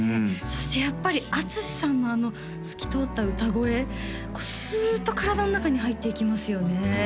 そしてやっぱりＡＴＳＵＳＨＩさんのあの透き通った歌声スーッと体の中に入っていきますよねねえ